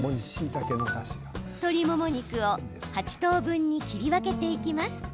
鶏もも肉を８等分に切り分けていきます。